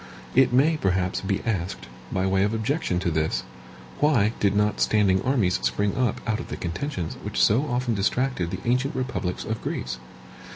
It may, perhaps, be asked, by way of objection to this, why did not standing armies spring up out of the contentions which so often distracted the ancient republics of Greece?